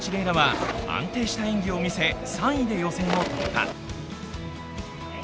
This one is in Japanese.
楽は安定した演技を見せ、３位で予選を突破。